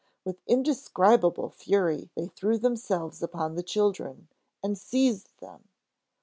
With indescribable fury they threw themselves upon the children, and seized them!